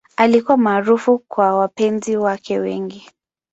Alikuwa maarufu kwa wapenzi wake wengi.